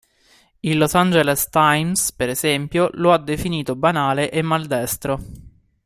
Il "Los Angeles Times", per esempio, lo ha definito "banale" e "maldestro".